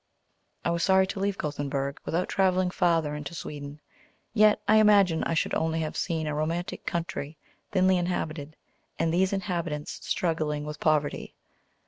I was sorry to leave Gothenburg without travelling farther into Sweden, yet I imagine I should only have seen a romantic country thinly inhabited, and these inhabitants struggling with poverty.